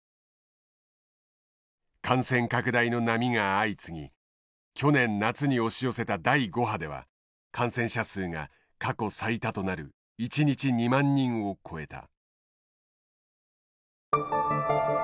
感染拡大の波が相次ぎ去年夏に押し寄せた第５波では感染者数が過去最多となる一日２万人を超えた。